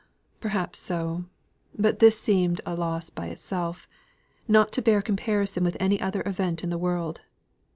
Perhaps so. But this seemed a loss by itself; not to bear comparison with any other event in the world.